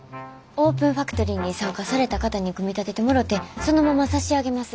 オープンファクトリーに参加された方に組み立ててもろてそのまま差し上げます。